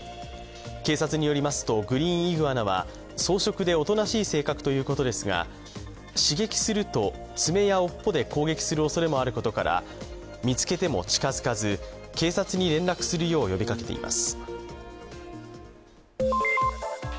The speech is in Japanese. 警察によりますと、グリーンイグアナは草食でおとなしい性格ということですが刺激すると爪や尾っぽで攻撃するおそれもあることから見つけても近付かず、警察に連絡するよう呼びかけています。